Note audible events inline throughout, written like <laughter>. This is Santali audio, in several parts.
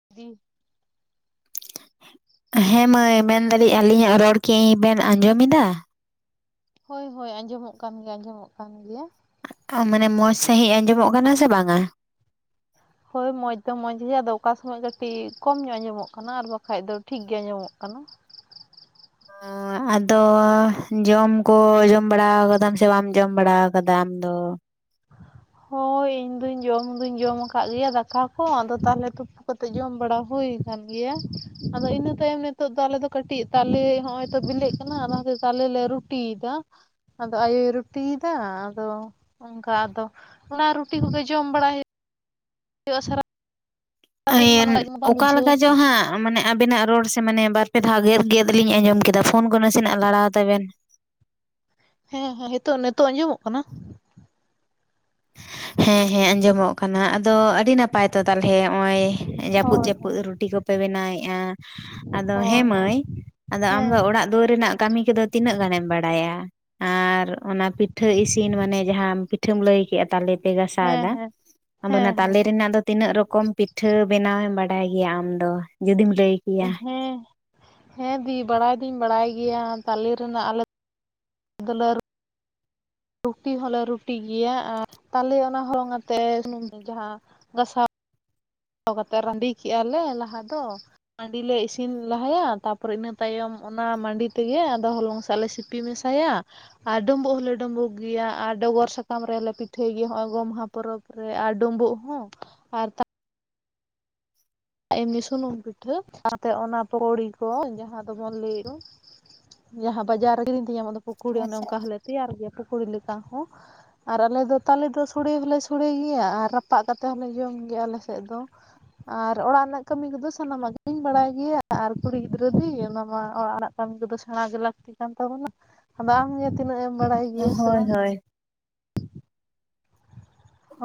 <unintelligible> ᱦᱮᱸ ᱢᱟᱹᱭ ᱢᱮᱱᱫᱟᱞᱤᱧ ᱟᱞᱤᱧᱟᱜ ᱨᱚᱲ ᱠᱤ ᱵᱮᱱ ᱟᱸᱡᱚᱢᱮᱫᱟ? ᱦᱳᱭ ᱦᱳᱭ, ᱟᱸᱡᱚᱢᱚᱜ ᱠᱟᱱ ᱜᱮᱭᱟ, ᱟᱸᱡᱚᱢᱟᱜ ᱠᱟᱱ ᱜᱮᱭᱟ᱾ ᱟ ᱢᱟᱱᱮ ᱢᱚᱸᱡᱽ ᱥᱟᱹᱦᱤᱡ ᱟᱸᱡᱚᱢᱚᱜ ᱠᱟᱱᱟ ᱥᱮ ᱵᱟᱝᱼᱟ? ᱦᱳᱭ ᱢᱚᱸᱡᱽ ᱫᱚ ᱢᱚᱸᱡᱽ ᱜᱮ, ᱟᱫᱚ ᱚᱠᱟ ᱥᱚᱢᱚᱭ ᱠᱟᱹᱴᱤᱡ ᱠᱚᱢ ᱧᱚᱜ ᱟᱡᱚᱢᱟᱜ ᱠᱟᱱᱟ, ᱟᱨ ᱵᱟᱠᱷᱟᱡ ᱫᱚ ᱴᱷᱤᱠ ᱜᱮ ᱟᱸᱡᱚᱢᱚᱜ ᱠᱟᱱᱟ᱾ <unintelligible> ᱟᱫᱚ ᱡᱚᱢ ᱠᱚ ᱡᱚᱢ ᱵᱟᱲᱟ ᱟᱠᱟᱫᱟᱢ ᱥᱮ, ᱵᱟᱢ ᱡᱚᱢ ᱵᱟᱲᱟ ᱟᱠᱟᱫᱟ ᱟᱢ ᱫᱚ? ᱦᱳᱭ ᱤᱧᱫᱚᱧ ᱡᱚᱢ ᱫᱩᱧ ᱡᱚᱢ ᱟᱠᱟᱜ ᱜᱮᱭᱟ ᱫᱟᱠᱟ ᱠᱚ, ᱟᱫᱚ ᱛᱟᱦᱚᱞᱮ ᱛᱩᱯᱩ ᱠᱟᱛᱮᱫ ᱡᱚᱢ ᱵᱟᱲᱟ ᱦᱩᱭ ᱠᱟᱱ ᱜᱮᱭᱟ, ᱟᱫᱚ ᱤᱱᱟᱹ ᱛᱟᱭᱚᱢ ᱱᱤᱛᱚᱜ ᱫᱚ ᱟᱞᱮ ᱫᱚ ᱠᱟᱹᱴᱤᱡ ᱛᱟᱞᱮ ᱦᱚᱸᱜᱼᱚᱭ ᱛᱚ ᱵᱤᱞᱤᱜ ᱠᱟᱱᱟ, ᱚᱱᱟᱛᱮ ᱛᱟᱞᱮ ᱞᱮ ᱨᱩ ᱨᱩᱴᱤᱭ ᱫᱟ ᱟᱫᱚ ᱟᱭᱳᱭ ᱨᱩᱴᱤᱭᱮᱫᱟ, ᱟᱫᱚ ᱚᱱᱠᱟ ᱟᱫᱚ ᱚᱱᱟ ᱨᱩᱴᱤ ᱠᱚᱜᱮ ᱡᱚᱢ ᱵᱟᱲᱟᱭ ᱦᱩᱭᱩᱜ ᱦᱩᱭᱩ ᱟ ᱥᱟᱨᱟ ᱟᱤᱱ ᱚᱠᱟ ᱵᱩᱡᱷᱟᱹᱣᱟ ᱞᱮᱠᱟ ᱥᱮ ᱪᱚᱝ ᱦᱟᱜ ᱢᱟᱱᱮ ᱟᱵᱮᱱᱟᱜ ᱨᱚᱲ ᱥᱮ ᱢᱟᱱᱮ, ᱵᱟᱨ ᱯᱮ ᱫᱷᱟᱣ ᱜᱮᱫ ᱜᱮᱫ ᱞᱤᱧ ᱟᱸᱡᱟᱢ ᱠᱮᱫᱟ, ᱯᱷᱳᱱ ᱠᱚ ᱱᱟᱥᱮᱱᱟᱜ ᱞᱟᱲᱟᱣ ᱛᱟᱵᱮᱱ᱾ ᱦᱮᱸ ᱦᱮᱸ ᱱᱤᱛᱳ ᱱᱤᱛᱚᱜ ᱟᱸᱡᱚᱢᱚᱜ ᱠᱟᱱᱟ? <unintelligible> ᱦᱮᱸ ᱦᱮᱸ ᱟᱸᱡᱚᱢᱚᱜ ᱠᱟᱱᱟ, ᱟᱫᱚ ᱟᱹᱰᱤ ᱱᱟᱯᱟᱭ ᱛᱚ ᱛᱟᱦᱚᱞᱮ ᱱᱚᱭ, ᱡᱟᱹᱯᱩᱫ ᱦᱳᱭ ᱡᱟᱹᱯᱩᱫ ᱦᱳᱭ ᱨᱩᱴᱤ ᱠᱚᱯᱮ ᱯᱮ ᱵᱮᱱᱟᱣᱮᱫᱼᱟ, ᱟᱫᱚ ᱦᱳᱭ ᱦᱮᱸ ᱦᱳᱭ ᱢᱟᱹᱭ ᱟᱫᱚ ᱟᱢ ᱫᱚ ᱦᱮᱸ ᱚᱲᱟᱜ ᱫᱩᱣᱟᱨ ᱨᱮᱱᱟᱜ ᱠᱟᱹᱢᱤ ᱠᱚᱫᱚ ᱛᱤᱱᱟᱹᱜ ᱜᱟᱱᱮᱢ ᱵᱟᱲᱟᱭᱟ? ᱟᱨ ᱚᱱᱟ ᱯᱤᱴᱷᱟᱹ ᱤᱥᱤᱱ, ᱢᱟᱱᱮ ᱡᱟᱦᱟᱸ ᱯᱤᱴᱷᱟᱹᱢ ᱞᱟᱹᱭ ᱠᱮᱫᱼᱟ ᱛᱟᱞᱮ ᱯᱮ ᱜᱟᱥᱟᱣ ᱮᱫᱟ, ᱦᱮᱸ ᱦᱮᱸ ᱟᱫᱚ ᱚᱱᱟ ᱦᱮᱸ ᱛᱟᱞᱮ ᱦᱮᱸ ᱨᱮᱱᱟᱜ ᱫᱚ ᱛᱤᱱᱟᱹᱜ ᱨᱚᱠᱚᱢ ᱯᱤᱴᱷᱟᱹ ᱵᱮᱱᱟᱣᱮᱢ ᱵᱟᱰᱟᱭ ᱜᱮᱭᱟ ᱟᱢ ᱫᱚ? ᱡᱩᱫᱤᱢ ᱞᱟᱹᱭ ᱠᱮᱭᱟ? ᱦᱮᱸ, ᱦᱮᱸ ᱫᱤ ᱵᱟᱲᱟᱭ ᱫᱩᱧ ᱵᱟᱲᱟᱭ ᱜᱮᱭᱟ, ᱛᱟᱞᱮ ᱨᱮᱱᱟᱜ ᱟᱞᱮ <unintelligible> ᱨᱩᱴᱤ ᱦᱚᱸᱞᱮ ᱨᱩᱴᱤ ᱜᱮᱭᱟ, ᱟᱨ ᱛᱟᱞᱮ ᱚᱱᱟ ᱦᱚᱞᱚᱝ ᱟᱛᱮ ᱡᱟᱦᱟᱸ ᱜᱟᱥᱟᱣ ᱠᱟᱛᱮᱫ ᱨᱟᱺᱰᱤ ᱠᱮᱜᱼᱟ ᱞᱮ ᱞᱟᱦᱟ ᱫᱚ, ᱢᱟᱹᱰᱤ ᱞᱮ ᱤᱥᱤᱱ ᱞᱟᱦᱟᱭᱟ ᱛᱟᱯᱚᱨᱮ ᱤᱱᱟᱹ ᱛᱟᱭᱚᱢ, ᱚᱱᱟ ᱢᱟᱹᱰᱤ ᱛᱮᱜᱮ ᱟᱫᱚ ᱦᱚᱞᱚᱝ ᱥᱟᱜ ᱞᱮ ᱥᱤ ᱯᱤ ᱢᱮᱥᱟᱭᱟ, ᱟᱨ ᱰᱩᱸᱵᱳᱩᱜ ᱦᱚᱸᱞᱮ ᱰᱩᱸᱵᱩᱜ ᱜᱮᱭᱟ, ᱟᱨ ᱰᱚᱜᱚᱨ ᱥᱟᱠᱟᱢ ᱨᱮᱦᱞᱮ ᱯᱤᱴᱷᱟᱹᱭ ᱜᱮᱭᱟ, ᱱᱚᱜᱼᱚᱭ ᱜᱚᱢᱦᱟ ᱯᱚᱨᱚᱵ ᱨᱮ ᱟᱨ ᱰᱩᱸᱵᱩᱜ ᱦᱚᱸ ᱟᱨ ᱛᱟ ᱮᱢᱱᱤ ᱥᱩᱱᱩᱢ ᱯᱤᱴᱷᱟᱹ, ᱥᱟᱶᱛᱮ ᱚᱱᱟ ᱯᱩᱲᱤ ᱠᱚ ᱡᱟᱦᱟᱸ ᱫᱚᱵᱚᱱ ᱞᱟᱹᱭ ᱫᱚ ᱡᱟᱦᱟᱸ ᱵᱟᱡᱟᱨ ᱨᱮ ᱠᱤᱨᱤᱧ ᱛᱮ ᱧᱟᱹᱢᱟᱜ ᱫᱚ, ᱯᱩᱠᱩᱬᱤ ᱚᱱᱮ ᱚᱱᱠᱟ ᱦᱚᱸᱞᱮ ᱛᱮᱭᱟᱨ ᱜᱮᱭᱟ ᱯᱩᱠᱩᱬᱤ ᱞᱮᱠᱟ ᱦᱚᱸ᱾ ᱟᱨ ᱟᱞᱮ ᱫᱚ ᱛᱟᱞᱮ ᱫᱚ ᱥᱚᱲᱮ ᱦᱚᱸᱞᱮ ᱥᱚᱲᱮ ᱜᱮᱭᱟ, ᱟᱨ ᱨᱟᱯᱟᱜ ᱠᱟᱛᱮ ᱦᱚᱸᱞᱮ ᱡᱚᱢ ᱜᱮᱭᱟ ᱟᱞᱮ ᱥᱮᱫ ᱫᱚ᱾ ᱟᱨ ᱚᱲᱟᱜ ᱨᱮᱱᱟᱜ ᱠᱟᱢᱤ ᱠᱚᱫᱚ ᱥᱟᱱᱟᱢᱟᱜᱤᱧ ᱵᱟᱲᱟᱭ ᱜᱮᱭᱟ, ᱟᱨ ᱠᱩᱲᱤ ᱜᱤᱫᱽᱨᱟᱹ ᱫᱤ ᱚᱱᱟ ᱢᱟ ᱚᱲᱟᱜ ᱨᱮᱱᱟᱜ ᱠᱟᱹᱢᱤ ᱠᱚᱫᱚ ᱥᱮᱬᱟ ᱜᱮ ᱞᱟᱹᱠᱛᱤ ᱠᱟᱱ ᱛᱟᱵᱚᱱᱟ,? ᱟᱫᱚ ᱟᱢᱜᱮ ᱛᱤᱱᱟᱹᱜ ᱮᱢ ᱵᱟᱲᱟᱭ ᱟᱪᱪᱷᱟ ᱜᱮᱭᱟ ᱥᱮ ᱦᱳᱭ ᱵᱟᱝ ᱦᱳᱭ ᱦᱮᱸ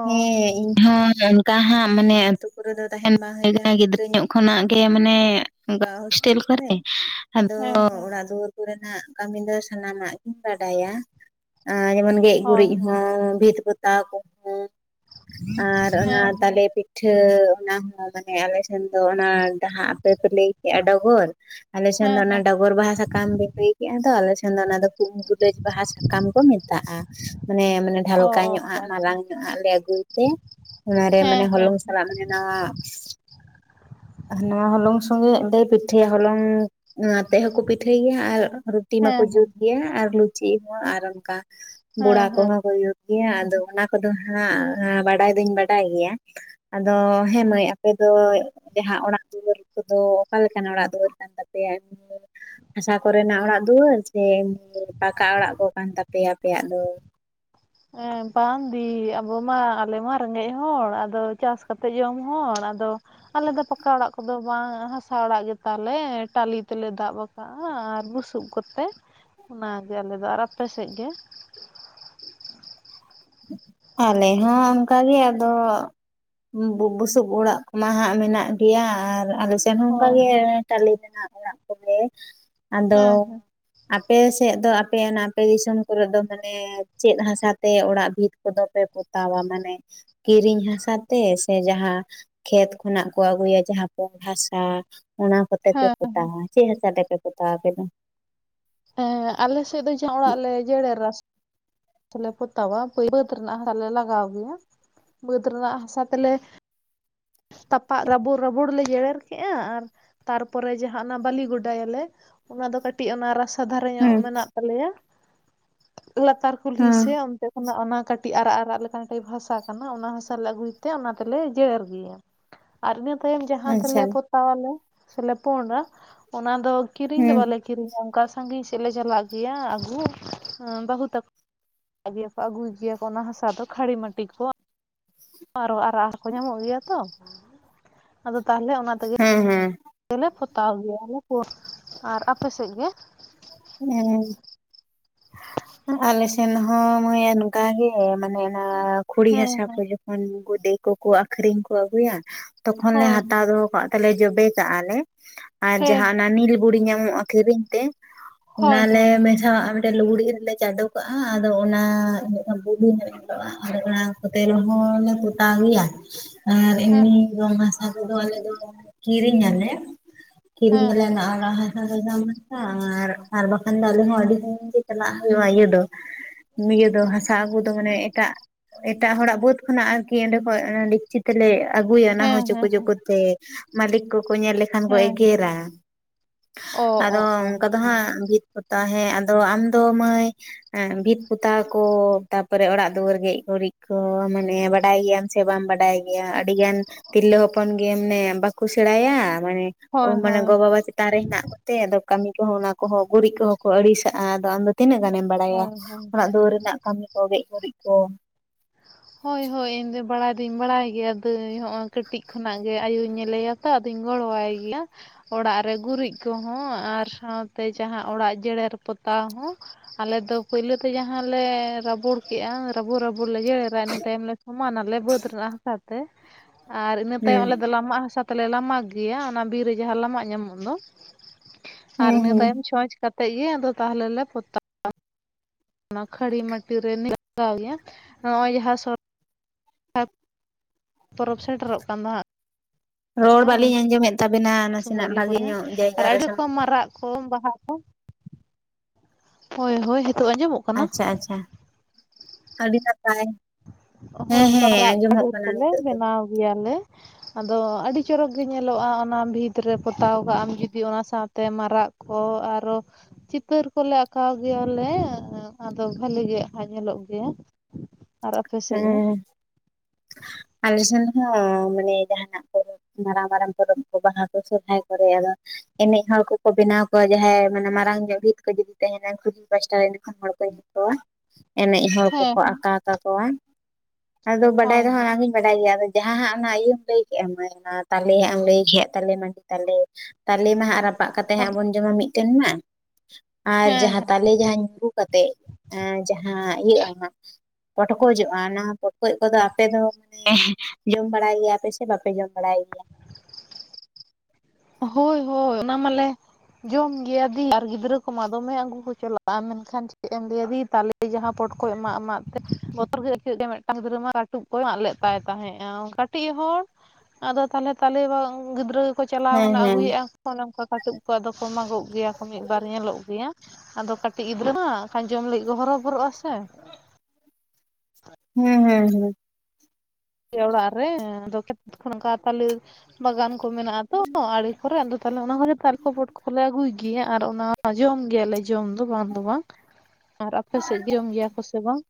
ᱦᱮᱸ ᱤᱧᱦᱚ ᱚᱱᱠᱟ ᱦᱟᱸᱜ ᱢᱟᱱᱮ, ᱟᱹᱛᱩ ᱠᱚᱨᱮ ᱫᱚ ᱛᱟᱦᱮᱱ ᱵᱟᱝ ᱦᱩᱭ ᱠᱟᱱᱟ ᱜᱤᱫᱽᱨᱟᱹ ᱧᱚᱜ ᱠᱷᱚᱱᱟᱜ ᱜᱮ, ᱢᱟᱱᱮ ᱦᱳᱥᱴᱮᱞ ᱠᱚᱨᱮ ᱟᱫᱚ ᱦᱮᱸ ᱦᱮᱸ ᱚᱲᱟᱜ ᱫᱩᱣᱟᱹᱨ ᱠᱚᱨᱮᱱᱟᱜ ᱠᱟᱹᱢᱤ ᱫᱚ ᱥᱟᱱᱟᱢᱟᱜ ᱜᱤᱧ ᱵᱟᱰᱟᱭᱟ ᱾ ᱟ ᱡᱮᱢᱚᱱ ᱜᱮᱡ ᱦᱳᱭ ᱜᱩᱨᱤᱡ ᱦᱳᱭ ᱦᱚᱸ ᱵᱷᱤᱛ ᱯᱚᱛᱟᱣ ᱠᱚᱦᱚᱸ ᱟᱨ ᱚᱱᱟ ᱦᱮᱸ ᱛᱟᱞᱮᱼᱼ ᱯᱤᱴᱷᱟᱹ ᱚᱱᱟ ᱦᱚᱸ ᱢᱟᱱᱮ ᱟᱞᱮᱥᱮᱱ ᱫᱚ ᱚᱱᱟ ᱰᱟᱦᱟ ᱟᱯᱮ ᱯᱮ ᱞᱟᱹᱭ ᱠᱮᱫᱼᱟ ᱰᱚᱜᱚᱨ ᱟᱞᱮ ᱥᱮᱱ ᱫᱚ ᱦᱮᱸ ᱚᱱᱟ ᱦᱮᱸ ᱰᱚᱜᱚᱨ ᱵᱟᱦᱟ ᱥᱟᱠᱟᱢ ᱵᱮᱱ ᱞᱟᱹᱭ ᱠᱮᱜᱼᱟ ᱫᱚ ᱟᱞᱮᱥᱮᱱ ᱫᱚ ᱚᱱᱟ ᱫᱚ ᱠᱷᱩᱵ ᱜᱩᱞᱟᱹᱡ ᱵᱟᱦᱟ ᱥᱟᱠᱟ ᱠᱟᱢ ᱠᱚ ᱢᱮᱛᱟᱜᱼᱟ ᱾ ᱢᱟᱱᱮ ᱢᱟᱱᱮ ᱚ ᱰᱷᱟᱞᱠᱟ ᱚ ᱧᱚᱜ ᱟᱪᱪᱷᱟ ᱟᱜ ᱢᱟᱨᱟᱝ ᱧᱚᱜ ᱞᱮ ᱟᱹᱜᱩᱭ ᱛᱮ, ᱚᱱᱟ ᱨᱮ ᱟᱪᱪᱷᱟ ᱢᱟᱱᱮ ᱦᱮᱸ ᱦᱮᱸ ᱦᱚᱞᱚᱝᱼᱼ <inaudible> ᱱᱚᱣᱟ ᱦᱚᱞᱚᱝ ᱥᱚᱸᱜᱮᱜ ᱞᱮ ᱯᱤᱴᱷᱟᱹᱭᱟ ᱦᱚᱞᱚᱝ ᱱᱚᱣᱟᱛᱮ ᱦᱚᱸᱠᱚ ᱯᱤᱴᱷᱟᱹᱭ ᱜᱮᱭᱟ ᱟᱨ ᱨᱩᱴᱤ ᱢᱟᱠᱚ ᱦᱮᱸ ᱦᱮᱸ ᱦᱮᱸ ᱡᱩᱛ ᱜᱮᱭᱟ ᱟᱨ ᱞᱩ ᱪᱤ ᱦᱚᱸ ᱟᱨ ᱚᱱᱠᱟ ᱵᱚᱲᱟ ᱦᱮᱸ ᱠᱚᱦᱚᱸ ᱭᱩᱜ ᱜᱮᱭᱟ ᱟᱫᱚ ᱚᱱᱟ ᱠᱚᱫᱚ ᱦᱟᱸᱜ ᱵᱟᱰᱟᱭ ᱫᱩᱧ ᱵᱟᱰᱟᱭ ᱜᱮᱭᱟ ᱾ ᱟᱫᱚ ᱦᱮᱸ ᱢᱟᱹᱭ ᱟᱯᱮ ᱫᱚ ᱡᱟᱦᱟᱸ ᱚᱲᱟᱜ ᱫᱩᱣᱟᱹᱨ ᱠᱚᱫᱚ ᱚᱠᱟᱞᱮᱠᱟᱱ ᱚᱲᱟᱜ ᱫᱩᱣᱟᱹᱨ ᱠᱟᱱ ᱛᱟᱯᱮᱭᱟ? ᱮᱢᱼᱼ ᱦᱟᱥᱟ ᱠᱚᱨᱮᱱᱟᱜ ᱚᱲᱟᱜ ᱫᱩᱣᱟᱹᱨ ᱥᱮ ᱮᱢ ᱯᱟᱠᱟ ᱚᱲᱟᱜ ᱠᱚ ᱠᱟᱱ ᱛᱟᱯᱮᱭᱟ ᱟᱯᱮᱭᱟᱜ ᱫᱚ? ᱦᱮᱸ, ᱵᱟᱝ ᱫᱤ ᱟᱵᱚ ᱢᱟ ᱟᱞᱮ ᱢᱟ ᱨᱮᱸᱜᱮᱡ ᱦᱚᱲ ᱟᱫᱚ ᱪᱟᱥ ᱠᱟᱛᱮ ᱡᱚᱢ ᱦᱚᱲ ᱟᱫᱚ ᱟᱞᱮ ᱫᱚ ᱯᱟᱠᱟ ᱚᱲᱟᱜ ᱠᱚᱫᱚ ᱵᱟᱝ ᱦᱟᱥᱟ ᱚᱲᱟᱜ ᱜᱮᱛᱟᱞᱮ ᱴᱟᱞᱤ ᱛᱮᱞᱮ ᱫᱟᱵᱼᱼ ᱟᱠᱟᱜᱼᱟ, ᱟᱨ ᱵᱩᱥᱩᱵ ᱠᱚᱛᱮ ᱚᱱᱟᱜᱮ ᱟᱞᱮᱫ ᱫᱚ ᱟᱨ ᱟᱯᱮ ᱥᱮᱫ ᱜᱮ ᱟᱞᱮ ᱦᱚᱸ ᱚᱱᱠᱟᱜᱮ ᱟᱫᱚ ᱵᱩ-ᱵᱩᱥᱩᱵ ᱚᱲᱟᱜ ᱠᱚᱢᱟ ᱦᱟᱸᱟᱜ ᱢᱮᱱᱟᱜ ᱜᱮᱭᱟ ᱟᱨ ᱟᱞᱮᱼᱼ ᱥᱮᱱ ᱦᱚᱸ ᱚᱱᱠᱟ ᱦᱳᱭ ᱜᱮ ᱴᱟᱞᱤ ᱨᱮᱱᱟᱜ ᱚᱲᱟᱜ ᱠᱚᱜᱮ ᱟᱫᱚ ᱦᱮᱸ ᱦᱮᱸ ᱟᱯᱮ ᱥᱮᱫ ᱫᱚ ᱟᱯᱮ ᱚᱱᱟ ᱟᱯᱮ ᱫᱤᱥᱚᱢ ᱠᱚᱨᱮ ᱫᱚ ᱢᱟᱱᱮ ᱪᱮᱫ ᱦᱟᱥᱟᱛᱮ ᱚᱲᱟᱜ ᱵᱷᱤᱛ ᱠᱚᱫᱚ ᱯᱮ ᱯᱚᱛᱟᱣᱟ, ᱢᱟᱱᱮ ᱠᱤᱨᱤᱧ ᱦᱟᱥᱟ ᱛᱮ ᱥᱮ ᱡᱟᱦᱟᱸ ᱠᱷᱮᱛ ᱠᱷᱚᱱᱟᱜ ᱠᱚ ᱟᱹᱜᱩᱭᱟ ᱡᱟᱦᱟᱸ ᱦᱟᱥᱟ ᱚᱱᱟ ᱛᱮ ᱯᱮ ᱯᱚᱛᱟᱣᱟ, ᱪᱮᱫ ᱦᱟᱥᱟ ᱛᱮᱯᱮ ᱯᱚᱛᱟᱣᱟ ᱟᱯᱮ ᱫᱚ? ᱦᱮᱸ, ᱟᱞᱮ ᱥᱮᱫ ᱫᱚ ᱡᱟᱦᱟᱸ ᱚᱲᱟᱜ ᱞᱮ ᱡᱮᱨᱮᱲᱟ ᱥᱮ ᱛᱮᱞᱮ ᱯᱚᱛᱟᱣᱟ ᱵᱟᱹᱫᱽ ᱨᱮᱱᱟᱜ ᱦᱟᱥᱟᱞᱮ ᱞᱟᱜᱟᱣ ᱜᱮᱭᱟ ᱾ ᱵᱟᱹᱫᱽ ᱨᱮᱱᱟᱜ ᱦᱟᱥᱟ ᱛᱮᱞᱮ ᱛᱟᱯᱟᱜ ᱨᱟᱵᱚᱲ ᱨᱟᱵᱚᱲ ᱞᱮ ᱡᱮᱨᱮᱲ ᱠᱮᱜᱼᱟ ᱾ ᱟᱨ ᱛᱟᱨᱯᱚᱨᱮ ᱡᱟᱦᱟᱸ ᱚᱱᱟ ᱵᱟᱞᱤ ᱜᱚᱰᱟᱭᱟᱞᱮ ᱚᱱᱟ ᱫᱚ ᱠᱟᱹᱴᱤᱡ ᱚᱱᱟ ᱨᱟᱥᱛᱟ ᱫᱷᱟᱨᱮ ᱧᱚᱜ ᱦᱩᱸ ᱢᱮᱱᱟᱜ ᱛᱟᱞᱮᱭᱟ, ᱞᱟᱛᱟᱨ ᱠᱩᱞᱦᱤ ᱥᱮ ᱦᱩᱸ ᱚᱱᱛᱮ ᱚᱱᱟ ᱚᱱᱟ ᱠᱟᱹᱴᱤᱡ ᱟᱨᱟᱜ ᱟᱨᱟᱜ ᱞᱮᱠᱟᱱ ᱴᱟᱭᱤᱯ ᱦᱟᱥᱟ ᱠᱟᱱᱟ ᱚᱱᱟ ᱦᱟᱥᱟᱞᱮ ᱟᱹᱜᱩᱭ ᱛᱮ ᱚᱱᱟ ᱛᱮᱞᱮ ᱡᱮᱨᱮᱲ ᱜᱮᱭᱟ ᱾ ᱟᱨ ᱤᱱᱟᱹ ᱛᱟᱭᱚᱢ ᱡᱟᱦᱟᱸ ᱟᱪᱪᱷᱟ ᱛᱮᱞᱮ ᱯᱚᱛᱟᱣᱟᱞᱮ ᱥᱮᱞᱮ ᱯᱳᱸᱰᱟ ᱚᱱᱟ ᱫᱚ ᱠᱤᱨᱤᱧ ᱫᱚ ᱦᱩᱸ ᱵᱟᱞᱮ ᱠᱤᱨᱤᱧᱟ ᱚᱱᱠᱟ ᱥᱟᱺᱜᱤᱧ ᱥᱮᱫ ᱞᱮ ᱪᱟᱞᱟᱜ ᱜᱮᱭᱟ ᱟᱹᱜᱩ ᱵᱟᱹᱦᱩ ᱛᱟᱠᱚ ᱜᱮᱭᱟ ᱠᱚ ᱟᱹᱜᱩᱭ ᱜᱮᱭᱟ ᱠᱚ ᱚᱱᱟ ᱦᱟᱥᱟ ᱫᱚ ᱠᱷᱟᱹᱲᱤ ᱢᱟᱹᱴᱤ ᱠᱚ ᱾ ᱟᱨᱚ ᱟᱨᱟᱜ ᱦᱚᱲ ᱠᱚ ᱧᱟᱢᱚᱜ ᱜᱮᱭᱟ ᱛᱚ ᱾ ᱟᱫᱚ ᱛᱟᱦᱚᱞᱮ ᱚᱱᱟ ᱛᱮᱜᱮ ᱦᱮᱸ ᱾ ᱛᱮᱞᱮ ᱯᱚᱛᱟᱣ ᱜᱮᱭᱟ ᱟᱞᱮ ᱠᱚ, ᱟᱨ ᱟᱯᱮ ᱥᱮᱫ ᱜᱮ? ᱮᱸᱻ ᱟᱞᱮ ᱥᱮᱱ ᱦᱚᱸ ᱢᱟᱹᱭ ᱱᱚᱝᱠᱟ ᱜᱮ ᱢᱟᱱᱮ ᱚᱱᱟ ᱠᱷᱩᱲᱤ ᱦᱮᱸ ᱦᱟᱥᱟ ᱠᱚ ᱦᱮᱸ ᱡᱚᱠᱷᱚᱱ ᱜᱩᱰᱮ ᱠᱚᱠᱚ ᱟᱠᱷᱨᱤᱧ ᱠᱚ ᱟᱹᱜᱩᱭᱟ, ᱛᱚᱠᱷᱚᱱ ᱞᱮ ᱦᱳᱭ ᱦᱟᱛᱟᱣ ᱦᱳᱭ ᱫᱚᱦᱚ ᱠᱟᱜ ᱛᱟᱞᱮ ᱡᱚᱵᱮ ᱠᱟᱜᱼᱟ ᱞᱮ ᱟᱨ ᱦᱮᱸ ᱡᱟᱦᱟᱸ ᱚᱱᱟ ᱱᱤᱞ ᱵᱩᱲᱤ ᱧᱟᱢᱚᱜᱼᱟ ᱠᱤᱨᱤᱧ ᱛᱮ ᱦᱳᱭ ᱚᱱᱟᱞᱮ ᱦᱳᱭ ᱢᱮᱥᱟᱣᱟᱜ-ᱟ ᱢᱤ ᱴᱟᱹᱜ ᱞᱩᱜᱽᱲᱤ ᱨᱮ ᱞᱮ ᱪᱟᱰᱚ ᱠᱟᱜᱼᱟ ᱟᱫᱚ ᱚᱱᱟ ᱤᱱᱟᱹᱡᱷᱟᱱ ᱵᱩᱞᱩ ᱧᱚᱜ ᱧᱮᱞᱚᱜᱼᱟ ᱨᱟᱜᱽᱲᱟᱣ ᱠᱚᱛᱮ ᱨᱮᱦᱚᱸ ᱞᱮ ᱯᱚᱷᱛᱟᱣ ᱜᱮᱭᱟ᱾ ᱟᱨ ᱦᱮᱸ ᱮᱢᱱᱤ ᱨᱚᱝ ᱦᱟᱥᱟ ᱠᱚᱫᱚ ᱟᱞᱮ ᱫᱚ ᱠᱤᱨᱤᱧ ᱟᱞᱮ ᱠᱤᱨᱤᱧ ᱦᱮᱸ ᱫᱚᱞᱮ ᱚᱱᱟ ᱟᱲᱟᱜ ᱦᱟᱥᱟ ᱫᱚ ᱫᱟᱢ ᱦᱟᱥᱟ ᱟᱨ ᱟᱨ ᱵᱟᱠᱷᱟᱱ ᱫᱚ ᱟᱞᱮ ᱦᱚᱸ ᱟᱹᱰᱤ <inaudible> ᱜᱮ ᱪᱟᱞᱟᱜ ᱦᱩᱭᱩᱜᱼᱟ ᱤᱭᱟᱹ ᱫᱚ, ᱤᱭᱟᱹ ᱫᱚ ᱦᱟᱥᱟ ᱟᱹᱜᱩ ᱛᱚ ᱢᱟᱱᱮ ᱮᱴᱟᱜ, ᱮᱴᱟᱜ ᱦᱚᱲᱟᱜ ᱵᱟᱹᱫ ᱠᱷᱚᱱᱟᱜ ᱟᱨᱠᱤ ᱚᱸᱰᱮ ᱠᱷᱚᱡ ᱰᱮᱠᱪᱤ ᱛᱮᱞᱮ ᱟᱹᱜᱩᱭᱟ ᱚᱱᱟᱦᱚᱸ ᱦᱮᱸ ᱪᱩᱠᱩ ᱦᱮᱸ ᱪᱩᱠᱩ ᱛᱮ ᱢᱟᱹᱞᱤᱠ ᱠᱚᱠᱚ ᱧᱮᱞ ᱞᱮᱠᱷᱟᱱ ᱠᱚ ᱦᱮᱸ ᱦᱮᱸ ᱮᱜᱮᱨᱟ ᱚ ᱟᱫᱚ ᱚ ᱚ ᱚᱱᱠᱟ ᱫᱚ ᱦᱟᱸᱜ ᱵᱷᱤᱛ ᱯᱚᱛᱟ ᱦᱮᱸ ᱟᱫᱚ ᱟᱢᱫᱚ ᱢᱟᱹᱭ ᱮᱸ ᱵᱷᱤᱛ ᱯᱚᱛᱟᱣ ᱠᱚ ᱛᱟᱯᱚᱨᱮ ᱚᱲᱟᱜ ᱫᱩᱣᱟᱹᱨ ᱜᱮᱡ ᱜᱩᱨᱤᱡ ᱠᱚ ᱢᱟᱱᱮ ᱵᱟᱰᱟᱭ ᱜᱮᱭᱟᱢ? ᱥᱮ ᱵᱟᱢ ᱵᱟᱰᱟᱭ ᱜᱮᱭᱟ? ᱰᱤ ᱜᱟᱱ ᱛᱤᱨᱞᱟᱹ ᱦᱚᱯᱚᱱ ᱜᱮ ᱢᱟᱱᱮ ᱵᱟᱠᱚ ᱥᱮᱲᱟᱭᱟ ᱢᱟᱱᱮ ᱚ ᱦᱳᱭ ᱦᱳᱭ ᱢᱟᱱᱮ ᱜᱚ ᱦᱳᱭ ᱵᱟᱵᱟ ᱛᱤ ᱛᱟ ᱨᱮ ᱦᱮᱱᱟᱜ ᱠᱚᱛᱮ ᱟᱫᱚ ᱠᱟᱹᱢᱤ ᱠᱚᱦᱚᱸ ᱚᱱᱟ ᱠᱚᱦᱚᱸ ᱜᱩᱨᱤᱡ ᱠᱚᱦᱚᱸ ᱠᱚ ᱟᱹᱲᱤᱥᱟᱜᱼᱟ ᱟᱫᱚ ᱟᱢᱫᱚ ᱛᱤᱱᱟᱹᱜ ᱜᱟᱱᱮᱢ ᱵᱟᱲᱟᱭᱟ ᱦᱳᱭ ᱦᱳᱭ ᱚᱲᱟᱜ ᱫᱩᱣᱟᱹᱨ ᱨᱮᱱᱟᱜ ᱠᱟᱹᱢᱤ ᱠᱚ ᱜᱮᱡ ᱜᱩᱨᱤᱡ ᱠᱚ ᱦᱳᱭ ᱦᱳᱭ ᱤᱧ ᱫᱚ ᱵᱟᱲᱟᱭ ᱫᱩᱧ ᱵᱟᱲᱟᱭ ᱜᱮᱭᱟ ᱫᱟᱹᱭ ᱦᱚᱸᱜᱼᱚᱭ ᱠᱟᱹᱴᱤᱡ ᱠᱷᱚᱱᱟᱜ ᱜᱮ ᱟᱭᱩᱧ ᱧᱮᱞᱮᱭᱟ ᱛᱚ ᱟᱫᱚᱧ ᱜᱚᱲᱚᱣᱟᱭ ᱜᱮᱭᱟ ᱚᱲᱟᱜ ᱨᱮ ᱜᱩᱨᱤᱡ ᱠᱚᱦᱚᱸ ᱟᱨ ᱥᱟᱶᱛᱮ ᱡᱟᱦᱟᱸ ᱚᱲᱟᱜ ᱡᱮᱨᱮᱲ ᱯᱚᱛᱟᱣ ᱦᱚᱸ ᱟᱞᱮ ᱫᱚ ᱯᱳᱭᱞᱳ ᱛᱮ ᱡᱟᱦᱟᱸᱞᱮ ᱨᱟᱵᱚᱲ ᱠᱮᱜᱼᱟ ᱨᱟᱹᱵᱩ ᱨᱟᱹᱵ ᱵᱩᱨ ᱞᱮᱜᱮ ᱤᱱᱟ ᱛᱟᱭᱚᱢ ᱞᱮ ᱥᱚᱢᱟᱱ ᱟᱞᱮ ᱵᱟᱹᱫᱽ ᱨᱮᱱᱟᱜ ᱦᱟᱥᱟ ᱛᱮ ᱟᱨ ᱤᱱᱟᱹ ᱛᱟᱭᱚᱢ ᱦᱮᱸ ᱟᱞᱮ ᱫᱚ ᱞᱟᱢᱟᱜ ᱦᱟᱥᱟ ᱛᱮᱞᱮ ᱞᱟᱢᱟᱜ ᱜᱮᱭᱟ ᱚᱱᱟ ᱵᱤᱨ ᱨᱮ ᱡᱟᱦᱟᱸ ᱞᱟᱢᱟᱜ ᱧᱟᱢᱚᱜ ᱫᱚ ᱟᱨ ᱦᱮᱸ ᱤᱱᱟᱹ ᱦᱮᱸ ᱛᱟᱭᱚᱢ ᱪᱷᱚᱸᱪ ᱠᱟᱛᱮ ᱜᱮ ᱟᱫᱚ ᱛᱟᱦᱚᱞᱮ ᱯᱚᱛᱟ ᱚᱱᱟ ᱠᱷᱟᱹᱲᱤ ᱢᱟᱹᱴᱤᱨ ᱨᱮ <inaudible> ᱜᱟᱣ ᱜᱮᱭᱟ ᱱᱚᱜᱼᱚᱭ ᱡᱟᱦᱟᱸ ᱥᱚᱨ ᱟᱫ ᱯᱚᱨᱚᱵᱽ ᱥᱮᱴᱮᱨᱚᱜ ᱠᱟᱱ ᱫᱚ ᱦᱟᱸᱜ ᱨᱚᱲ ᱠᱷᱟᱱ ᱩᱱ ᱵᱟᱹᱞᱤᱧ ᱟᱸᱡᱚᱢᱮᱫ ᱛᱟᱵᱮᱱᱟ ᱥᱚᱢᱚᱭ ᱱᱟᱥᱮᱱᱟᱜ ᱞᱮ ᱵᱷᱟᱜᱮ ᱯᱚᱫᱟᱭᱟ ᱧᱚᱜ ᱟᱨ ᱡᱟᱭᱜᱟ ᱨᱮ ᱟᱹᱰᱤ ᱥᱮᱱ ᱨᱚᱠᱚᱢ ᱢᱟᱨᱟᱜ ᱠᱚ ᱵᱟᱦᱟ ᱠᱚ ᱦᱳᱭ ᱦᱳᱭ ᱦᱤᱛᱚᱜ ᱟᱸᱡᱚᱢᱚᱜ ᱠᱟᱱᱟ? ᱟᱪᱪᱷᱟ ᱟᱪᱪᱷᱟ ᱟᱹᱰᱤ ᱱᱟᱯᱟᱭ᱾ ᱚᱦᱚ ᱦᱮᱸ ᱚᱱᱠᱟ ᱦᱮᱸ ᱨᱟᱜ ᱟᱸᱡᱚᱢᱚᱜ ᱟᱰᱷᱩᱨ ᱠᱟᱱᱟ ᱠᱚᱞᱮ ᱱᱤᱛᱚᱜ ᱫᱚ ᱵᱮᱱᱟᱣ ᱜᱮᱭᱟᱞᱮ ᱟᱫᱚ ᱟᱹᱰᱤ ᱪᱚᱨᱚᱠ ᱜᱮ ᱧᱮᱞᱚᱜᱼᱟ ᱚᱱᱟ ᱵᱷᱤᱛ ᱨᱮ ᱯᱚᱛᱟᱣ ᱠᱟᱜᱟᱢ ᱡᱩᱫᱤ ᱚᱱᱟ ᱥᱟᱶᱛᱮ ᱢᱟᱨᱟᱜ ᱠᱚ ᱟᱨᱚ ᱪᱤᱛᱟᱹᱨ ᱠᱚᱞᱮ ᱟᱸᱠᱟᱣ ᱜᱮᱭᱟᱞᱮ ᱟᱫᱚ ᱵᱟᱹᱞᱤ ᱜᱮ ᱟ ᱧᱮᱞᱚᱜ ᱜᱮᱭᱟ᱾ ᱟᱨ ᱟᱯᱮ ᱥᱮᱫ ᱜᱮ? ᱦᱚᱸ ᱟᱞᱮ ᱥᱮᱱ ᱦᱚᱸ ᱢᱟᱱᱮ ᱡᱟᱦᱱᱟᱜ ᱠᱚ ᱢᱟᱨᱟᱝ ᱢᱟᱨᱟᱝ ᱯᱚᱨᱚᱵᱽ ᱵᱟᱦᱟ ᱠᱚ ᱥᱚᱨᱦᱟᱭ ᱠᱚᱨᱮ ᱟᱫᱚ ᱮᱱᱮᱡ ᱦᱚᱲ ᱠᱚᱠᱚ ᱵᱮᱱᱟᱣ ᱠᱚᱣᱟ ᱡᱟᱦᱟᱸᱭ ᱢᱟᱱᱮ ᱢᱟᱨᱟᱝ ᱧᱚᱜ ᱵᱷᱤᱛ ᱠᱚ ᱡᱩᱫᱤ ᱛᱟᱦᱮᱱᱟ ᱠᱩᱞᱦᱤ ᱯᱟᱥᱴᱟ ᱨᱮ ᱤᱱᱟᱹ ᱦᱚᱲᱠᱚ ᱧᱮᱞ ᱠᱚᱣᱟ ᱮᱱᱮᱡ ᱦᱚᱲ ᱦᱮᱸ ᱠᱚᱠᱚ ᱟᱸᱠᱟᱣ ᱠᱟᱠᱚᱣᱟ ᱟᱫᱚ ᱵᱟᱰᱟᱭ ᱦᱳᱭ ᱫᱚᱦᱚ ᱦᱮᱸ ᱟᱢᱤᱧ ᱵᱟᱰᱟᱭ ᱜᱮᱭᱟ ᱟᱫᱚ ᱡᱟᱦᱟᱸ ᱦᱟᱸᱜ ᱚᱱᱟ ᱤᱭᱟᱹᱢ ᱞᱟᱹᱭ ᱠᱮᱫ-ᱟ ᱢᱟᱹᱭ ᱚᱱᱟ ᱛᱟᱞᱮ ᱦᱟᱸᱜ ᱮᱢ ᱞᱟᱹᱭ ᱠᱮᱫ ᱛᱟᱞᱮ ᱢᱟᱹᱰᱤ ᱛᱟᱞᱮ ᱛᱟᱞᱮ ᱢᱟ ᱦᱟᱸᱜ ᱨᱟᱯᱟᱜ ᱠᱟᱛᱮᱜ ᱦᱟᱸᱜ ᱵᱚᱱ ᱡᱚᱢᱟ ᱢᱤᱫᱴᱮᱱ ᱢᱟ ᱟᱨ ᱦᱮᱸ ᱡᱟᱦᱟᱸ ᱛᱟᱞᱮ ᱡᱟᱦᱟᱸ ᱧᱩᱨᱩ ᱠᱟᱛᱮ ᱮ ᱡᱟᱦᱟᱸ ᱤᱭᱟᱹᱜᱼᱟ ᱯᱚᱴᱠᱚᱡᱚᱜᱼᱟ ᱚᱱᱟ ᱯᱚᱴᱠᱚᱡ ᱠᱚᱫᱚ ᱟᱯᱮ ᱫᱚ ᱮᱦ ᱡᱚᱢ ᱵᱟᱲᱟᱭ ᱜᱮᱭᱟᱯᱮ ᱥᱮ ᱵᱟᱯᱮ ᱡᱚᱢ ᱵᱟᱲᱟᱭ ᱜᱮᱭᱟ? ᱦᱳᱭ ᱦᱳᱭ ᱚᱱᱟ ᱢᱟᱞᱮ ᱡᱚᱢ ᱜᱮᱭᱟ ᱫᱤ ᱟᱨ ᱜᱤᱫᱽᱨᱟᱹ ᱠᱚᱢᱟ ᱫᱚᱢᱮ ᱟᱹᱜᱩ ᱠᱚ ᱪᱟᱞᱟᱜᱼᱟ ᱢᱮᱱᱠᱷᱟᱱ ᱪᱮᱫ ᱮᱢ ᱞᱟᱹᱭᱟ ᱫᱤ ᱛᱟᱞᱮ ᱡᱟᱦᱟᱸ ᱯᱚᱴᱠᱚᱭ ᱢᱟᱜ ᱢᱟᱜ ᱛᱮ ᱵᱚᱛᱚᱨ ᱜᱮ ᱟᱹᱭᱠᱟᱹᱜ ᱜᱮ ᱢᱤᱫᱴᱟᱝ ᱜᱤᱫᱽᱨᱟᱹ ᱢᱟ ᱠᱟᱹᱴᱩᱵ ᱠᱚᱭ ᱢᱟᱜ ᱞᱮᱫ ᱛᱟᱭ ᱛᱟᱦᱮᱸᱜᱼᱟ ᱚᱱᱠᱟ ᱴᱤᱡ ᱦᱚᱲ ᱟᱫᱚ ᱛᱟᱦᱚᱞᱮ ᱛᱟᱞᱮ ᱜᱤᱫᱽᱨᱟᱹ ᱜᱮᱠᱚ ᱪᱟᱞᱟᱣ ᱦᱮᱸ ᱠᱟᱱᱟ ᱦᱮᱸ ᱟᱹᱜᱩᱭᱮᱜᱼᱟ ᱥᱮ ᱚᱱᱮ ᱚᱝᱠᱟ ᱠᱟᱹᱴᱩᱵ ᱠᱚ ᱟᱫᱚ ᱠᱚ ᱢᱟᱜᱚᱜ ᱜᱮᱭᱟ ᱠᱚ ᱢᱤᱫ ᱵᱟᱨ ᱧᱮᱞᱚᱜ ᱜᱮᱭᱟ᱾ ᱟᱫᱚ ᱠᱟᱹᱴᱤᱡ ᱜᱤᱫᱽᱨᱟᱹ ᱦᱟᱱ ᱟᱡᱚᱢ ᱞᱟᱹᱜᱤᱫ ᱦᱚᱨᱚᱵᱚᱨᱚᱜᱼᱟ ᱥᱮ ᱦᱮᱸ ᱦᱮᱸ ᱦᱮᱸ ᱜᱮᱭᱟ ᱚᱲᱟᱜ ᱨᱮ ᱟᱫᱚ ᱠᱷᱮᱫ ᱠᱷᱚᱱ ᱚᱱᱠᱟ ᱛᱟᱞᱮ ᱵᱟᱜᱟᱱ ᱠᱚ ᱢᱮᱱᱟᱜᱼᱟ ᱛᱚ ᱟᱲᱮ ᱠᱚᱨᱮ ᱟᱫᱚ ᱛᱟᱦᱚᱞᱮ ᱚᱱᱟ ᱠᱚᱨᱮ ᱛᱟᱨᱠᱚ ᱯᱚᱴ ᱠᱚᱞᱮ ᱟᱹᱜᱩᱭ ᱜᱮᱭᱟ ᱟᱨ ᱚᱱᱟ ᱡᱚᱢ ᱜᱮᱭᱟᱞᱮ ᱡᱚᱢ ᱫᱚ ᱵᱟᱝ ᱫᱚ ᱵᱟᱝ ᱟᱨ ᱟᱯᱮ ᱥᱮᱫ ᱫᱚ ᱡᱚᱢ ᱜᱮᱭᱟ ᱠᱚ ᱥᱮ ᱵᱟᱝ?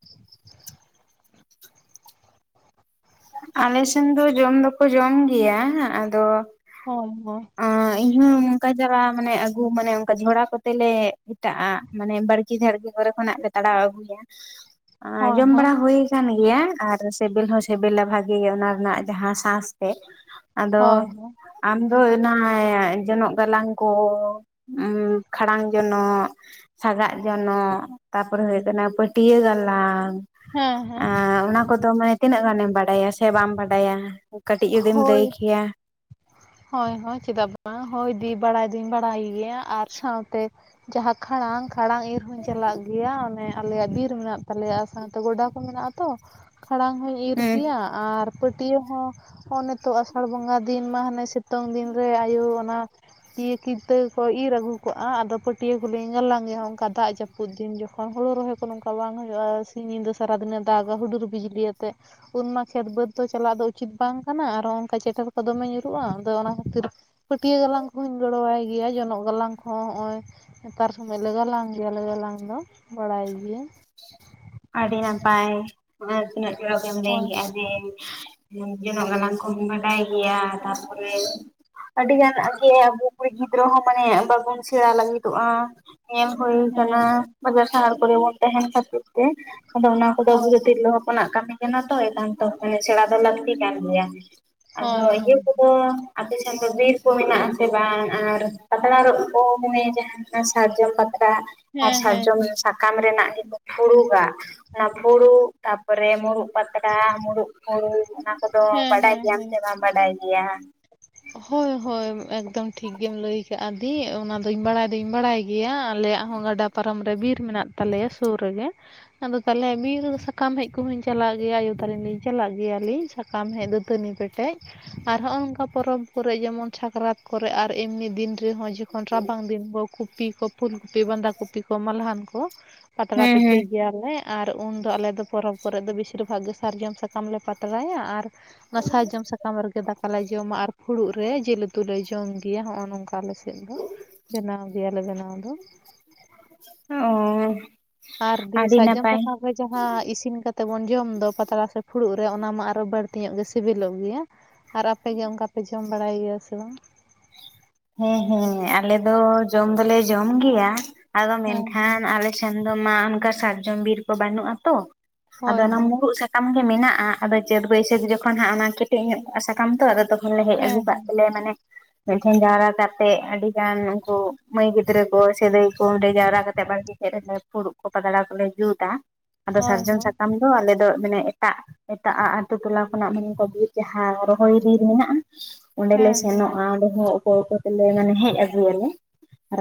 ᱟᱞᱮᱥᱮᱱ ᱫᱚ ᱡᱚᱢ ᱫᱚᱠᱚ ᱡᱚᱢ ᱜᱮᱭᱟ ᱟᱫᱚ᱾ ᱦᱚᱸ ᱦᱚᱸ᱾ ᱚᱸ ᱤᱧ ᱦᱚᱸ ᱚᱱᱠᱟ ᱡᱟᱣᱟ ᱢᱟᱱᱮ ᱟᱹᱜᱩ ᱢᱟᱱᱮ ᱚᱱᱠᱟ ᱡᱷᱚᱲᱟ ᱠᱚᱛᱮᱞ ᱞᱮ ᱢᱮᱴᱟᱜᱼᱟ᱾ ᱢᱟᱱᱮ ᱵᱟᱲᱜᱮ ᱡᱷᱟᱲᱜᱮ ᱠᱚᱨᱮ ᱠᱷᱚᱱᱟᱜ ᱞᱮ ᱛᱟᱲᱟᱣ ᱟᱹᱜᱩᱭᱟ᱾ ᱦᱳᱭ ᱡᱚᱢ ᱦᱳᱭ ᱵᱟᱲᱟ ᱦᱩᱭ ᱟᱠᱟᱱ ᱜᱮᱭᱟ ᱟᱨ ᱥᱮᱵᱮᱞ ᱦᱚᱸ ᱥᱮᱵᱮᱞ᱾ ᱥᱮᱵᱮᱞᱟ ᱵᱷᱟᱜᱤ ᱜᱮ ᱚᱱᱟ ᱨᱮᱱᱟᱜ ᱡᱟᱦᱟᱸ ᱥᱟᱥ ᱛᱮ ᱟᱫᱚ᱾ ᱦᱳᱭ ᱦᱳᱭ ᱟᱢ ᱫᱚ ᱚᱱᱟ ᱡᱚᱱᱚᱜ ᱜᱟᱞᱟᱝ ᱠᱚ ᱠᱷᱟᱲᱟᱝ ᱡᱚᱱᱚᱜ᱾ ᱥᱟᱜᱟᱜ ᱡᱚᱱᱚᱜ ᱛᱟᱯᱚᱨᱮ ᱦᱩᱭᱩᱜᱭ ᱠᱟᱱᱟ ᱯᱟᱹᱴᱭᱟᱹ ᱜᱟᱞᱟᱝ᱾ ᱦᱮᱸ ᱦᱮᱸ ᱚᱱᱟ ᱠᱚᱫᱚ ᱢᱟᱱᱮ ᱛᱤᱱᱟᱹᱜ ᱜᱟᱱᱮᱢ ᱵᱟᱰᱟᱭᱟ ᱥᱮ ᱵᱟᱢ ᱵᱟᱰᱟᱭᱟ᱾ ᱠᱟᱹᱴᱤᱡ ᱡᱩᱫᱤᱢ ᱦᱳᱭ ᱞᱟᱹᱭ ᱠᱮᱭᱟ᱾ ᱦᱳᱭ ᱦᱳᱭ ᱪᱮᱫᱟᱜ ᱵᱟᱝ ᱦᱳᱭ ᱫᱤ ᱵᱟᱲᱟᱭ ᱫᱩᱧ ᱵᱟᱲᱟᱭ ᱜᱮᱭᱟ ᱟᱨ ᱥᱟᱶᱛᱮ᱾ ᱡᱟᱦᱟᱸ ᱠᱷᱟᱲᱟᱝ ᱠᱷᱟᱲᱟᱝ ᱤᱨ ᱦᱩᱧ ᱪᱟᱞᱟᱜ ᱜᱮᱭᱟ ᱚᱱᱮ᱾ ᱟᱞᱮᱭᱟᱜ ᱵᱤᱨ ᱢᱮᱱᱟᱜ ᱛᱟᱞᱮᱭᱟ ᱥᱟᱶᱛᱮ ᱜᱚᱰᱟ ᱠᱚ ᱢᱮᱱᱟᱜ ᱟ ᱛᱚ ᱠᱷᱟᱲᱟᱝ ᱦᱚᱧ ᱤᱨ ᱦᱮᱸ ᱜᱮᱭᱟ᱾ ᱟᱨ ᱯᱟᱹᱴᱭᱟᱹ ᱦᱚᱸ ᱦᱚᱸᱜᱼ ᱱᱤᱛᱚᱜ ᱟᱥᱟᱲ ᱵᱚᱸᱜᱟ᱾ ᱫᱤᱱ ᱢᱟ ᱦᱟᱱᱮ ᱥᱤᱛᱩᱝ ᱫᱤᱱ ᱨᱮ ᱟᱭᱩ ᱚᱱᱟ᱾ ᱯᱟᱹᱴᱭᱟᱹ ᱠᱤᱱᱤᱛᱟᱹ ᱠᱚ ᱤᱨᱻ ᱟᱹᱜᱩ ᱟᱫᱚ ᱠᱚᱞᱤᱧ ᱜᱟᱞᱟᱝ ᱜᱮᱦᱚᱸ ᱚᱱᱠᱟ ᱫᱟᱜ ᱡᱟᱹᱯᱩᱫ᱾ ᱯᱫ ᱫᱤᱱ ᱡᱚᱠᱷᱚᱱ ᱦᱳᱲ ᱨᱚᱦᱚᱭ ᱠᱚ ᱱᱚᱝᱠᱟ ᱵᱟᱝ ᱦᱩᱭᱩᱜᱼᱟ ᱥᱤᱧ ᱧᱤᱫᱟᱹ ᱥᱟᱨᱟᱫᱤᱱᱮ ᱫᱟᱜᱟ ᱦᱩᱰᱩᱨ ᱵᱤᱡᱽᱞᱤ ᱟᱛᱮᱫ ᱩᱱ ᱢᱟ ᱠᱷᱮᱛ ᱵᱟᱹᱫᱽ ᱫᱚ ᱪᱟᱞᱟᱜᱣ ᱫᱚ ᱩᱪᱤᱛ ᱵᱟᱝ ᱠᱟᱱᱟ ᱟᱨᱦᱚ ᱚᱱᱠᱟ ᱪᱮᱴᱮᱨ ᱠᱚ ᱫᱚᱢᱮ ᱧᱩᱨᱩᱜᱼᱟ ᱟᱫᱚ ᱚᱱᱟ ᱠᱷᱟᱹᱛᱤᱨ ᱯᱟᱹᱴᱭᱟᱹ ᱜᱟᱞᱟᱝ ᱠᱚᱦᱚᱧ ᱜᱚᱲᱚᱣᱟᱭ ᱜᱮᱭᱟ ᱡᱚᱱᱚᱜ ᱜᱟᱞᱟᱝ ᱦᱚᱸ ᱦᱚᱸᱜᱼᱚᱭ ᱱᱮᱛᱟᱨ ᱥᱚᱢᱚᱭ ᱞᱮ ᱜᱟᱞᱟᱝ ᱜᱮᱭᱟ ᱜᱟᱞᱟᱝ ᱫᱚ ᱵᱟᱲᱟᱭ ᱜᱤᱭᱟᱹᱟᱹᱧ ᱟᱹᱰᱤ ᱱᱟᱯᱟᱭ ᱟᱨ ᱛᱤᱱᱟᱹᱜ ᱪᱚᱲᱚᱠ‌ ᱮᱢ ᱞᱟᱹᱭ ᱦᱳᱭ ᱠᱮᱫᱼᱟ ᱡᱮᱼ- ᱡᱚᱱᱚᱜ ᱜᱟᱞᱟᱝ ᱠᱚᱢ ᱵᱟᱰᱟᱭ ᱜᱮᱭᱟ ᱛᱟᱨᱯᱚᱨᱮ ᱟᱹᱰᱤ ᱜᱟᱱ ᱜᱮ ᱟᱵᱚ ᱠᱩᱲᱤ ᱜᱤᱫᱽᱨᱟᱹ ᱦᱚᱸ ᱢᱟᱱᱮ ᱵᱟᱵᱚᱱ ᱥᱮᱬᱟ ᱞᱟᱹᱜᱤᱫᱚᱜᱼᱟ ᱧᱮᱞ ᱦᱩᱭ ᱠᱟᱱᱟ ᱦᱮᱸ ᱵᱟᱡᱟᱨ ᱥᱟᱨ ᱠᱚᱨᱮ ᱵᱚᱱ ᱛᱟᱦᱮᱱ ᱛᱮ ᱟᱫᱚ ᱚᱱᱟ ᱦᱩᱰᱟᱹᱵ ᱦᱳᱭ ᱦᱳᱭ ᱛᱤᱨᱞᱟᱹ ᱦᱚᱯᱚᱱᱟᱜ ᱠᱟᱹᱢᱤ ᱠᱟᱱᱟ ᱛᱚ ᱮᱱᱠᱷᱟᱱᱛᱚ ᱢᱟᱱᱮ ᱥᱮᱬᱟ ᱫᱚ ᱞᱟᱹᱠᱛᱤ ᱠᱟᱱ ᱜᱮᱭᱟ᱾ ᱟᱫᱚ ᱦᱳᱭ ᱤᱭᱟ. ᱦᱳᱭ ᱠᱚᱫᱚ ᱟᱯᱮ ᱥᱮᱱ ᱫᱚ ᱵᱤᱨ ᱠᱚ ᱢᱮᱱᱟᱜ ᱟᱥᱮ ᱵᱟᱝ ᱟᱨ ᱯᱟᱛᱲᱟ ᱨᱚᱜ ᱠᱚ ᱢᱟᱱᱮ ᱡᱟᱦᱟᱸ ᱥᱟᱨᱡᱚᱢ ᱯᱟᱛᱲᱟ ᱟᱨ ᱦᱮᱸ ᱦᱮᱸ ᱥᱟᱨᱡᱚᱢ ᱥᱟᱠᱟᱢ ᱨᱮᱱᱟᱜ ᱡ ᱯᱷᱩᱲᱩᱜᱟ ᱚᱱᱟ ᱯᱷᱩᱲᱩᱜ ᱛᱟᱯᱚᱨᱮ ᱢᱩᱲᱩᱜ ᱯᱟᱛᱲᱟ ᱢᱩᱲᱩᱜ ᱯᱷᱩᱲᱩᱜ ᱚᱱᱟ ᱠᱚᱫᱚ ᱦᱮᱸ ᱦᱮᱸ ᱵᱟᱰᱟᱭ ᱦᱮᱸ ᱦᱮᱸ ᱜᱮᱭᱟᱢ ᱥᱮ ᱵᱟᱢ ᱵᱟᱰᱟᱭ ᱜᱮᱭᱟ ᱦᱳᱭ ᱦᱳᱭ ᱮᱠᱫᱚᱢ ᱴᱷᱤᱠᱜᱮᱢ ᱞᱟᱹᱭ ᱟᱠᱟᱟᱜᱼᱟ ᱫᱤ ᱚᱱᱟᱫᱚᱧ ᱵᱟᱲᱟᱭ ᱫᱩᱧ ᱵᱟᱲᱟᱭ ᱜᱮᱭᱟ ᱟᱞᱮᱭᱟᱜ ᱦᱚᱸ ᱜᱟᱰᱟ ᱯᱟᱨᱚᱢ ᱨᱮ ᱵᱤᱨ ᱢᱮᱱᱟᱜ ᱛᱟᱞᱮᱭᱟ ᱥᱩᱨ ᱨᱮᱜᱮ ᱟᱫᱚ ᱛᱟᱞᱮ ᱵᱤᱨ ᱥᱟ ᱥᱟᱠᱟᱢ ᱦᱮᱡ ᱠᱚᱦᱚᱸᱧ ᱪᱟᱞᱟᱜ ᱜᱮᱭᱟ ᱟᱭᱳ ᱛᱟᱞᱤᱱ ᱞᱤᱧ ᱪᱟᱞᱟᱜ ᱜᱮᱭᱟᱞᱤᱧ ᱥᱟ ᱠᱟᱢ ᱦᱮᱡ ᱫᱟᱹᱛᱟᱹᱱᱤ ᱯᱮᱴᱮᱡ ᱟᱨ ᱦᱚᱸᱜᱼᱚ ᱱᱚᱝᱠᱟ ᱯᱚᱨᱚᱵᱽ ᱠᱚᱨᱮ ᱡᱮᱢᱚᱱ ᱥᱟᱠᱨᱟᱛ ᱠᱚᱨᱮ ᱟᱨ ᱮᱢᱱᱤ ᱫᱤᱱ ᱨᱮᱦᱚᱸ ᱡᱚᱠᱷᱚᱱ ᱨᱟᱵᱟᱝ ᱫᱤᱱ ᱠᱚ ᱠᱚᱯᱤ ᱠᱚ ᱯᱷᱩᱞ ᱠᱚᱯᱤ ᱵᱟᱸᱫᱟ ᱠᱚᱯᱤ ᱠᱚ ᱢᱟᱞᱦᱟᱱ ᱠᱚ ᱯᱟᱛᱲᱟ ᱦᱮᱸ ᱦᱮᱸ ᱯᱤᱴᱷᱟᱹᱭ ᱜᱮᱭᱟ ᱮ ᱟᱨ ᱩᱱᱫᱚ ᱟᱞᱮᱫᱚ ᱯᱚᱨᱚᱵᱽ ᱠᱚᱨᱮ ᱫᱚ ᱵᱮᱥᱤᱨ ᱜᱮ ᱥᱟᱨᱡᱚᱢ ᱥᱟᱠᱟᱢ ᱞᱮ ᱯᱟᱛᱲᱟᱭᱟ ᱟᱨ ᱚᱱᱟ ᱥᱟᱨᱡᱚᱢ ᱥᱟᱠᱟᱢ ᱨᱮᱜᱮ ᱫᱟᱠᱟᱞᱮ ᱡᱚᱢᱟ ᱟᱨ ᱯᱷᱩᱲᱩᱜ ᱨᱮ ᱡᱤᱞ ᱩᱛᱩ ᱞᱮ ᱡᱚᱢ ᱜᱮᱭᱟ ᱱᱚᱜᱼᱚ ᱱᱚᱝᱠᱟ ᱟᱞ ᱥᱮᱫ ᱫᱚ᱾ ᱵᱮᱱᱟᱣ ᱜᱮᱭᱟᱞᱮ ᱵᱮᱱᱟᱣ ᱫᱚ ᱚᱸᱻ ᱟᱨ ᱫᱤ ᱥᱟᱨᱡᱚᱢ ᱥᱟᱠᱟᱢ ᱚᱱᱮ ᱡᱟᱦᱟᱸ ᱤᱥᱤᱱ ᱠᱟᱛᱮᱮᱫ ᱵᱚᱱ ᱡᱚᱢ ᱫᱚ ᱯᱟᱛᱲᱟ ᱥᱮ ᱯᱷᱩᱲᱩᱜ ᱨᱮ ᱚᱱᱟ ᱢᱟ ᱟᱨᱚ ᱵᱟᱹᱲᱛᱤ ᱧᱚᱜ ᱜᱮ ᱥᱤᱵᱤᱞᱚᱜ ᱜᱮᱭᱟ ᱟᱨ ᱟᱯᱮᱜ ᱜᱮ ᱚᱱᱠᱟᱯᱮ ᱡᱚᱢ ᱵᱟᱲᱟᱭ ᱜᱮᱭᱟ ᱥᱮ ᱵᱟᱝ ᱦᱮᱸ ᱦᱮᱸᱟᱞᱮ ᱫᱚ ᱡᱚᱢ ᱫᱚᱞᱮ ᱡᱚᱢ ᱜᱮᱭᱟ᱾ ᱟᱫᱚ ᱦᱮᱸ ᱢᱮᱱᱠᱷᱟᱱ ᱟᱞᱮ ᱴᱷᱮᱱ ᱫᱚ ᱢᱟ ᱚᱱᱠᱟ ᱥᱟᱨᱡᱚᱢ ᱵᱤᱨ ᱠᱚ ᱵᱟᱹᱱᱩᱜᱼᱟ ᱛᱳ᱾ ᱟᱫᱚ ᱦᱳᱭ ᱚᱱᱟ ᱦᱳᱭ ᱢᱩᱨᱩᱜ ᱥᱟᱠ ᱠᱟᱢ ᱜᱮ ᱢᱮᱱᱟᱜᱼᱟ, ᱟᱫᱚ ᱪᱟᱹᱛ ᱵᱟᱹᱭᱥᱟᱹᱠᱷ ᱡᱚᱠᱷᱚᱱ ᱦᱟᱸᱜ ᱚᱱᱟ ᱠᱮᱴᱮᱡ ᱧᱚᱜ ᱠᱚᱜ-ᱟ ᱥᱟᱠᱟᱢ ᱛᱚ ᱟᱫᱚ ᱛᱚᱠᱷ ᱞᱮ ᱦᱮᱡ ᱟᱹᱜᱩ ᱦᱮᱸ ᱠᱟᱜ ᱛᱮᱞᱮ ᱢᱟᱱᱮ ᱢᱤᱫᱴᱷᱮᱱ ᱡᱟᱣᱨᱟ ᱠᱟᱛᱮᱫ ᱟᱹᱰᱤ ᱜᱟᱱ ᱩᱱᱠᱩ ᱢᱟᱹᱭ ᱜᱤᱫᱽᱨᱟᱹ ᱠᱚ ᱥᱮ ᱫᱟᱹᱭ ᱠᱚ ᱚᱸᱰᱮ ᱡᱟᱣᱨᱟ ᱠᱟᱛᱮ ᱵᱟᱲᱜᱮ ᱥᱮᱫ ᱨᱮ ᱯᱷᱩᱲᱩᱜ ᱠᱚ ᱯᱟᱛᱲᱟ ᱠᱚᱞᱮ ᱡᱩᱛ-ᱟ, ᱟᱫᱚ ᱦᱳᱭ ᱥᱟᱨᱡᱚᱢ ᱦᱳᱭ ᱥᱟᱠᱟᱢ ᱫᱚ ᱟᱞᱮ ᱫᱚ ᱢᱟᱱᱮ ᱮᱴᱟᱜ ᱮᱴᱟᱜ ᱟᱜ ᱟᱛᱩ ᱴᱚᱞᱟ ᱠᱷᱚᱱᱟᱜ ᱢᱮᱱᱮ ᱠᱚ ᱵᱤᱨ ᱡᱟᱦᱟᱸ ᱨᱚᱦᱚᱭ ᱵᱤᱨ ᱢᱮᱱᱟᱜᱼᱟ ᱚᱸᱰᱮ ᱞᱮ ᱦᱮᱸ ᱦᱮᱸ ᱥᱮᱱᱚᱜᱼᱟ ᱚᱸᱰᱮ ᱦᱚᱸ ᱚᱠᱳ ᱚᱠᱳ ᱛᱮᱞᱮ ᱢᱟᱱᱮ ᱦᱮᱡ ᱟᱜᱩᱭᱟᱞᱮ᱾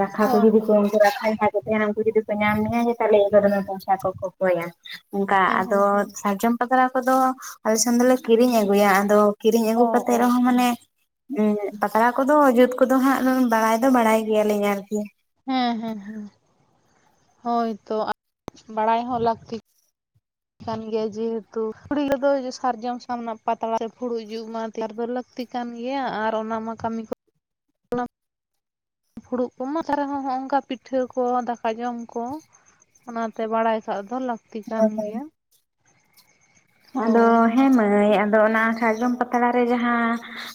ᱨᱟᱠᱷᱟ ᱠᱚ ᱦᱳᱭ ᱡᱩᱫᱤ ᱠᱚ ᱦᱳᱭ ᱨᱟᱠᱷᱟᱭ <unintelligible> <unintelligible> ᱩᱱᱠᱩ ᱡᱩᱫᱩ ᱠᱚ ᱧᱟᱢ ᱢᱮᱭᱟ ᱡᱮ ᱛᱟᱦᱞᱮ ᱤᱱ ᱫᱚ ᱫᱚᱢᱮ ᱯᱚᱭᱥᱟ ᱠᱚ ᱠᱚᱠᱚᱭᱟ᱾ ᱚᱱᱠᱟ ᱦᱮᱸ ᱟᱫᱚ ᱦᱮᱸ ᱦᱮᱸ ᱥᱟᱨᱡᱚᱢ ᱯᱟᱛᱲᱟ ᱠᱚᱫᱚ ᱟᱞᱮᱥᱮᱱ ᱫᱚᱞᱮ ᱠᱤᱨᱤᱧ ᱟᱹᱜᱩᱭᱟ ᱟᱫᱚ ᱠᱤᱨᱤᱧ ᱟᱹᱜᱩ ᱚ ᱠᱟᱛᱮᱜ ᱚ ᱨᱮᱦᱚᱸ ᱚ ᱢᱟᱱᱮ ᱦᱩᱸ ᱯᱟᱛᱲᱟ ᱠᱚᱫᱚ ᱡᱩᱛ ᱠᱚᱫᱚ ᱦᱟᱸᱜ ᱵᱟᱲᱟᱭ ᱫᱚ ᱵᱟᱲᱟᱭ ᱜᱮᱭᱟᱞᱤᱧ ᱟᱨᱠᱤ᱾ ᱦᱮᱸ ᱦᱮᱸ ᱦᱮᱸ, ᱦᱳᱭ‌ ᱛᱚ <unintelligible> ᱵᱟᱲᱟᱭ ᱦᱚᱸ ᱞᱟᱹᱠᱛᱤ᱾ <unintelligible> ᱠᱟᱱ ᱜᱮᱭᱟ ᱡᱮᱦᱮᱛᱩ ᱠᱩᱲᱤ ᱜᱤᱫᱽᱨᱟᱹ ᱫᱚ ᱥᱟᱨᱡᱚᱢ ᱥᱟᱢ ᱨᱮᱱᱟᱜ ᱯᱟᱛᱲᱟ ᱥᱮ ᱯᱷᱩᱲᱩᱜ ᱡᱩᱜ ᱢᱟ <unintelligible> ᱟᱹᱠᱛᱤ ᱠᱟᱱ ᱜᱮᱭᱟ ᱟᱨ ᱚᱱᱟ ᱢᱟ ᱠᱟᱹᱢᱤ ᱠᱚ ᱯᱷᱩᱲᱩᱜ ᱠᱚᱢᱟ ᱛᱟᱨᱟ ᱦᱚᱸ ᱦᱚᱸᱜᱼᱚᱝᱠᱟ ᱯᱤᱴᱷᱟᱹ ᱠᱚ, ᱫᱟᱠᱟ ᱡᱚᱢ ᱠᱚ᱾ ᱚᱱᱟᱛᱮ ᱵᱟᱲᱟᱭ ᱠᱟᱜ ᱫᱚ ᱞᱟᱠ ᱟᱫᱚ ᱦᱳᱭ ᱦᱮᱸ ᱢᱟᱹᱭ ᱟᱫᱚ ᱚᱱᱟ ᱥᱟᱨᱡᱚᱢ ᱯᱟᱛᱲᱟ ᱨᱮ ᱡᱟᱦᱟᱸ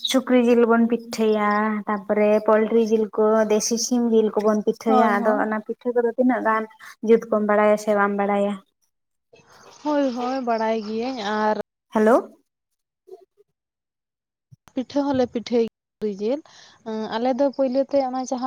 ᱥᱩᱠᱨᱤ ᱵᱚᱱ ᱯᱤᱴᱷᱟᱹᱭᱟ, ᱛᱟᱯᱚᱨᱮ ᱯᱳᱞᱴᱨᱤ ᱡᱤᱞ ᱠᱚ, ᱫᱮᱥᱤ ᱥᱤᱢ ᱡᱤᱞ ᱠᱚ ᱵᱚᱱ ᱯᱤᱴᱷᱟᱹᱭᱟ ᱦᱳᱭ ᱟᱫᱚ ᱦᱳᱭ ᱚᱱᱟ ᱯᱤᱴᱷᱟᱹ ᱠᱚᱫᱚ ᱛᱤᱱᱟᱹᱜ ᱜᱟᱱ ᱡᱩᱛ ᱠᱚᱢ ᱵᱟᱲᱟᱭᱟ ᱥᱮ ᱵᱟᱢ ᱵᱟᱲᱟᱭᱟ? ᱦᱳᱭ ᱦᱳᱭ ᱵᱟᱲᱟᱭ ᱜᱤᱭᱟᱹᱧ ᱟᱨ ᱦᱮᱞᱳ᱾ ᱯᱤᱴᱷᱟᱹ ᱦᱚᱸ ᱞᱮ ᱯᱴᱷᱟᱹᱭ <inaudible> ᱡᱤᱞ ᱟᱞᱮ ᱫᱚ ᱯᱳᱭᱞᱚ ᱛᱮ ᱚᱱᱟ ᱡᱟᱦᱟᱸ